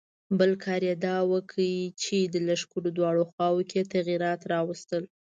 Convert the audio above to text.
بل کار یې دا وکړ چې د لښکر دواړو خواوو کې یې تغیرات راوستل.